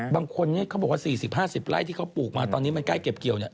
บางคนเขาบอกว่า๔๐๕๐ไร่ที่เขาปลูกมาตอนนี้มันใกล้เก็บเกี่ยวเนี่ย